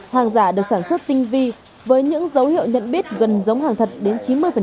hàng giả được sản xuất tinh vi với những dấu hiệu nhận biết gần giống hàng thật đến chín mươi